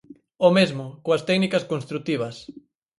O mesmo, coas técnicas construtivas.